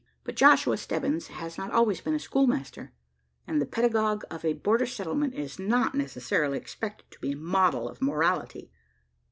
But Joshua Stebbins has not always been a schoolmaster; and the pedagogue of a border settlement is not necessarily, expected to be a model of morality.